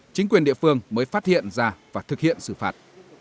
chính quyền địa phương mới phát hiện ra và thực hiện xử phạt